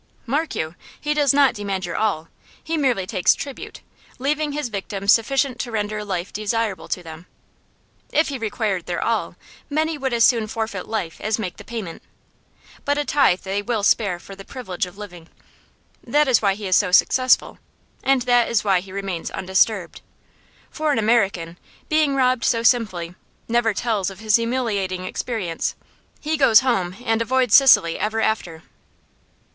Mark you: he does not demand your all; he merely takes tribute, leaving his victims sufficient to render life desirable to them. If he required their all, many would as soon forfeit life as make the payment; but a tithe they will spare for the privilege of living. That is why he is so successful. And that is why he remains undisturbed. For an American, being robbed so simply, never tells of his humiliating experience. He goes home, and avoids Sicily ever after."